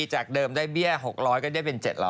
จากเดิมได้เบี้ย๖๐๐ก็ได้เป็น๗๐๐